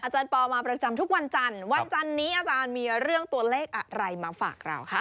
ปอลมาประจำทุกวันจันทร์วันจันนี้อาจารย์มีเรื่องตัวเลขอะไรมาฝากเราค่ะ